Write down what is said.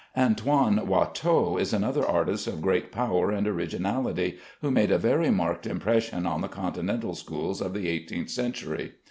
Antoine Watteau is another artist of great power and originality, who made a very marked impression on the Continental schools of the eighteenth century.